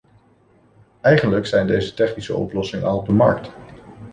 Eigenlijk zijn deze technische oplossingen al op de markt.